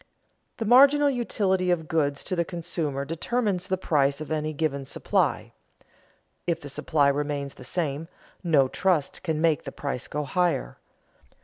The marginal utility of goods to the consumer determines the price of any given supply. If the supply remains the same, no trust can make the price go higher.